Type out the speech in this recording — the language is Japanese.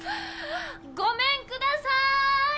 ごめんくださーい！